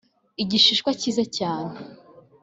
igishishwa cyiza cyane